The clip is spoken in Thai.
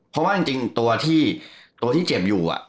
เพราะเมื่อกี้ตัวที่เจ็บอยู่อ่ะ